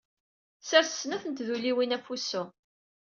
Ssers snat n tduliwin ɣef wusu.